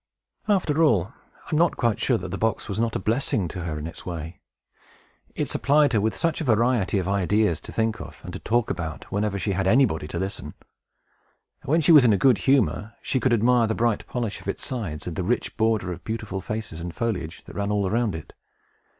After all, I am not quite sure that the box was not a blessing to her in its way. It supplied her with such a variety of ideas to think of, and to talk about, whenever she had anybody to listen! When she was in good humor, she could admire the bright polish of its sides, and the rich border of beautiful faces and foliage that ran all around it.